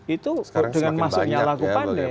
itu dengan masuknya laku pandeh